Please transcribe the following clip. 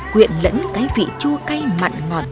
quyện lẫn cái vị chua cay mặn ngọt